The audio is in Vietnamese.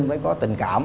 mới có tình cảm